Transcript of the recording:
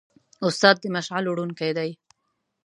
استاد د مشعل وړونکی دی.